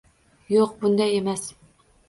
Yo'q, bunday emas.